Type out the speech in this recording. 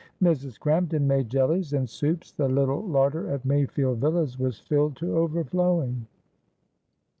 Mrs. Crampton made jellies and soups, the little larder at Mayfield Villas was filled to overflowing.